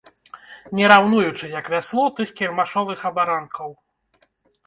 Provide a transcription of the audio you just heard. Не раўнуючы як вясло тых кірмашовых абаранкаў.